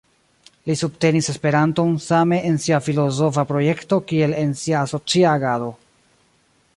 Li subtenis Esperanton same en sia filozofa projekto kiel en sia asocia agado.